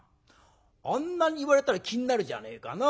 あんなに言われたら気になるじゃねえかな